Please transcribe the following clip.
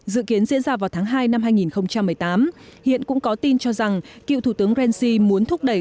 dự kiến diễn ra vào tháng hai năm hai nghìn một mươi tám hiện cũng có tin cho rằng cựu thủ tướng rainsi muốn thúc đẩy